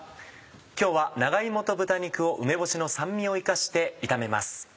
今日は長芋と豚肉を梅干しの酸味を生かして炒めます。